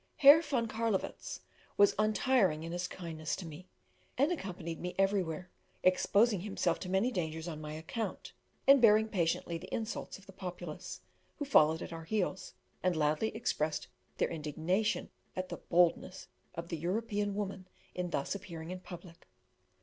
Herr von Carlowitz was untiring in his kindness to me, and accompanied me everywhere, exposing himself to many dangers on my account, and bearing patiently the insults of the populace, who followed at our heels, and loudly expressed their indignation at the boldness of the European woman in thus appearing in public.